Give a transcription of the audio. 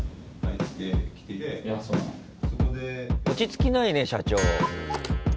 落ち着きないね社長。